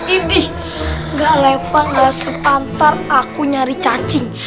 idi gak lepas gak sepantar aku nyari cacing